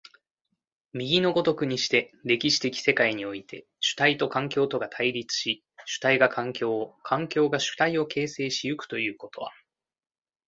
右の如くにして、歴史的世界において、主体と環境とが対立し、主体が環境を、環境が主体を形成し行くということは、